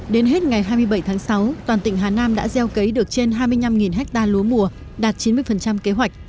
đến hết ngày hai mươi bảy tháng sáu toàn tỉnh hà nam đã gieo cấy được trên hai mươi năm ha lúa mùa đạt chín mươi kế hoạch